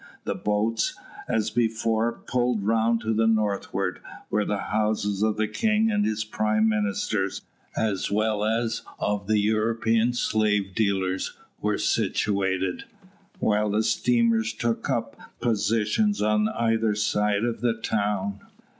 The boats, as before, pulled round to the northward, where the houses of the king and his prime ministers, as well as of the European slave dealers, were situated, while the steamers took up positions on either side of the town.